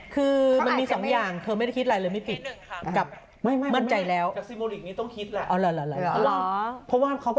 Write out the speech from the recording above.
คือมันมีสามอย่างเธอไม่ได้คิดอะไรเลยไม่ปิด